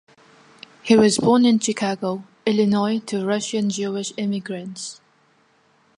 He was born in Chicago, Illinois to Russian Jewish immigrants.